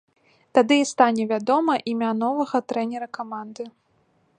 Тады і стане вядома імя новага трэнера каманды.